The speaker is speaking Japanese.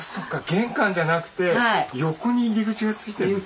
玄関じゃなくて横に入り口が付いてるんですね。